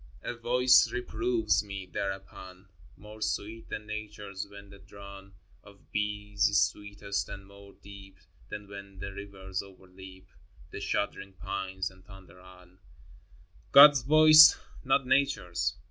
— A Voice reproves me thereupon, More sweet than Nature's when the drone Of bees is sweetest, and more deep Than when the rivers overleap The shuddering pines, and thunder on, — XVI. God's Voice, not Nature's.